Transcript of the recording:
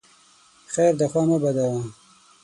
خیر دی خوا مه بدوه !